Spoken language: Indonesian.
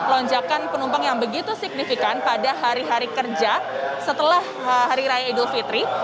lonjakan penumpang yang begitu signifikan pada hari hari kerja setelah hari raya idul fitri